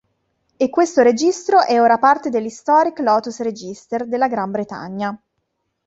E questo registro è ora parte dell"'Historic Lotus Register" della Gran Bretagna.